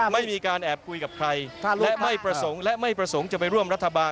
ไม่มีการแอบคุยกับใครและไม่ประสงค์จะไปร่วมรัฐบาล